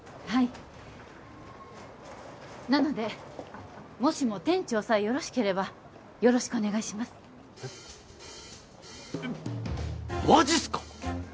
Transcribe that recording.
はいなのでもしも店長さえよろしければよろしくお願いしますえっえっマジっすか？